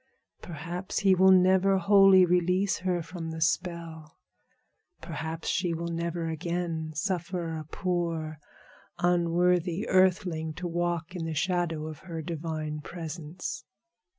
Perhaps he will never wholly release her from the spell. Perhaps she will never again suffer a poor, unworthy earthling to walk in the shadow of her divine presence."